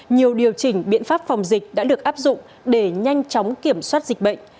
nhiều điều chỉnh biện pháp phòng dịch đã được áp dụng để nhanh chóng kiểm soát dịch bệnh